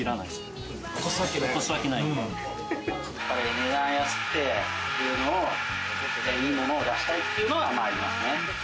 値段安くていいのを出したいっていうのはありますね。